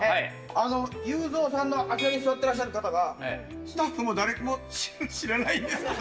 あの、裕三さんのあちらに座ってらっしゃる方が、スタッフも誰も知らないんですけど。